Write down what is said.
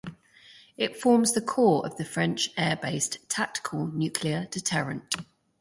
It forms the core of the French air-based tactical nuclear deterrent.